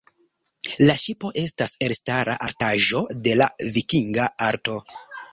La ŝipo estas elstara artaĵo de la vikinga arto.